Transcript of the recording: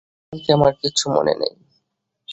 এমনকি আমার কিচ্ছু মনে নেই।